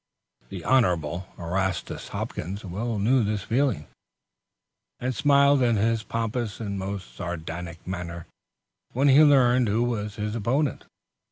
The Hon. Erastus Hopkins well knew this feeling, and smiled in his pompous and most sardonic manner when he learned who was his opponent.